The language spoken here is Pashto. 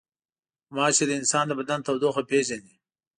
غوماشې د انسان د بدن تودوخه پېژني.